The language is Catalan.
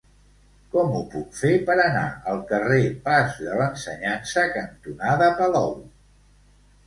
Com ho puc fer per anar al carrer Pas de l'Ensenyança cantonada Palou?